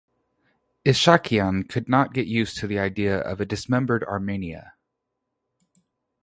Ishakyan could not get used the idea of a dismembered Armenia.